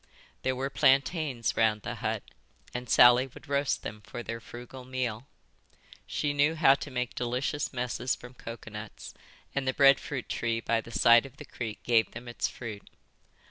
There were plantains round the hut and Sally would roast them for their frugal meal. She knew how to make delicious messes from coconuts, and the bread fruit tree by the side of the creek gave them its fruit.